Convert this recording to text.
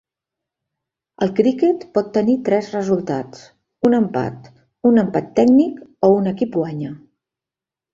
El criquet pot tenir tres resultats: un empat, un empat tècnic, o un equip guanya.